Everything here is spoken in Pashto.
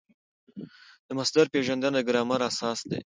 د مصدر پېژندنه د ګرامر اساس دئ.